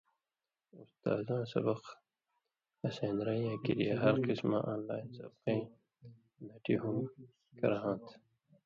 اُستازہ سبق ہسانیۡرَیں یاں کِریا ہر قسمَیں آن لائن سبقَیں نَٹیۡ ہُم کرہاں تھہ۔